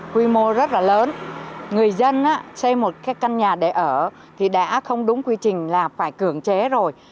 quy mô rất là lớn người dân xây một cái căn nhà để ở thì đã không đúng quy trình là phải cưỡng chế rồi